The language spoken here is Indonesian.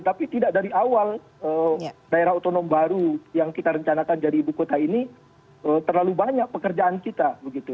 tapi tidak dari awal daerah otonom baru yang kita rencanakan jadi ibu kota ini terlalu banyak pekerjaan kita begitu